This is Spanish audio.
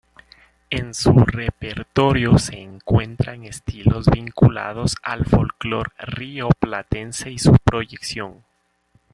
En su repertorio se encuentran estilos vinculados al folklore rioplatense y su proyección.